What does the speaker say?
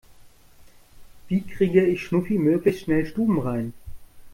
Wie kriege ich Schnuffi möglichst schnell stubenrein?